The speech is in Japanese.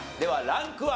ランクは？